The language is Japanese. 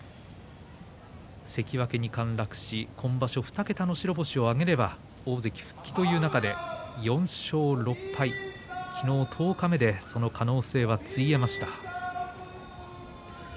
関脇に陥落し今場所２桁の白星を挙げれば大関復帰という中で４勝６敗昨日、十日目でその可能性はついえました。